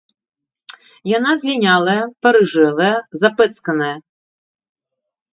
Яна злінялая, парыжэлая, запэцканая.